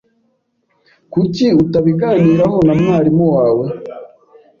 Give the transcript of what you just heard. Kuki utabiganiraho na mwarimu wawe?